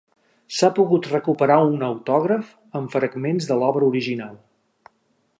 S'ha pogut recuperar un autògraf amb fragments de l'obra original.